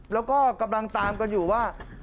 แล้วก็กำลังตามกันอยู่ว่า